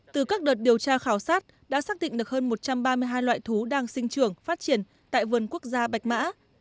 từ các đợt điều tra khảo sát đã xác định được hơn một trăm ba mươi hai loại thú đang sinh trưởng phát triển tại vườn quốc gia bạch mã